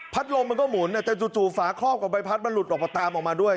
ลมมันก็หมุนแต่จู่ฝาครอบกับใบพัดมันหลุดออกมาตามออกมาด้วย